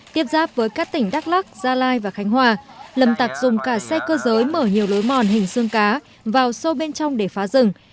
tiếp giáp với các tỉnh đắk lắc gia lai và khánh hòa lâm tạc dùng cả xe cơ giới mở nhiều lối mòn hình xương cá vào sâu bên trong để phá rừng